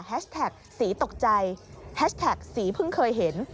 แท็กสีตกใจแฮชแท็กสีเพิ่งเคยเห็น